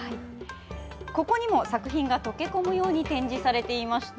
ここにも作品が溶け込むように展示されていました。